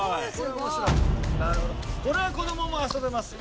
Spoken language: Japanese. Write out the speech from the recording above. これは子供も遊べますよ。